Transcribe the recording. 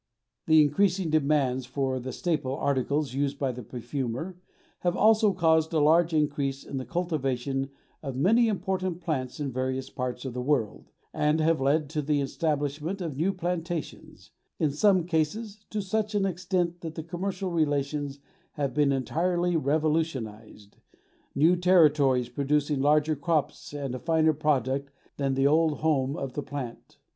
The increasing demands for the staple articles used by the perfumer have also caused a large increase in the cultivation of many important plants in various parts of the world, and have led to the establishment of new plantations, in some cases to such an extent that the commercial relations have been entirely revolutionized, new territories producing larger crops and a finer product than the old home of the plant.